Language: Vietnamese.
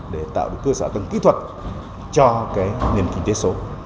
để tạo được cơ sở hạ tầng kỹ thuật cho nền kinh tế số